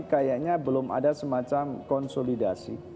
kayaknya belum ada semacam konsolidasi